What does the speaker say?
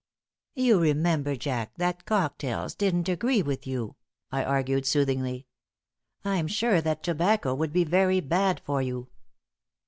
"You remember, Jack, that cocktails didn't agree with you," I argued, soothingly. "I'm sure that tobacco would be very bad for you."